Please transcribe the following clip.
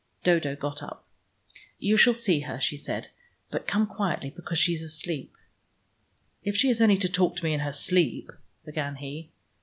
Dodo got up. "You shall see her," she said. "But come quietly, because she is asleep." "If she is only to talk to me in her sleep " began he.